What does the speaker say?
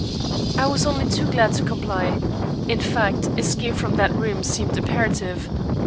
I was only too glad to comply; in fact, escape from that room seemed imperative.